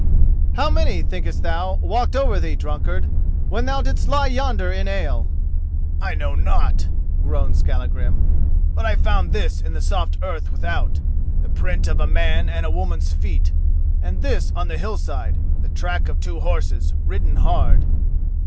"How many, thinkest thou, walked over thee, drunkard, when thou didst lie yonder in the ale?" "I know not," groaned Skallagrim; "but I found this in the soft earth without: the print of a man's and a woman's feet; and this on the hill side: the track of two horses ridden hard."